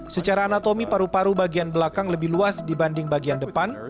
secara anatomi paru paru bagian belakang lebih luas dibanding bagian depan